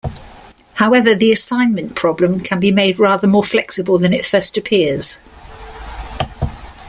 However, the assignment problem can be made rather more flexible than it first appears.